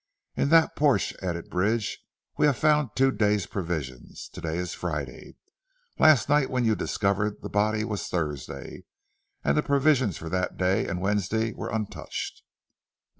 In that porch," added Bridge, "we have found two days provisions. To day is Friday, last night when you discovered the body was Thursday, and the provisions for that day and Wednesday were untouched."